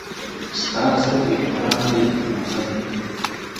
ه ستا د سترگو احترام نه دی، نو څه دی؟